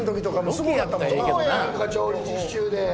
そうやんか調理実習で。